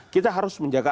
kita harus menjaga